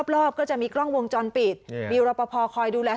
รอบก็จะมีกล้องวงจรปิดมีรอปภคอยดูแล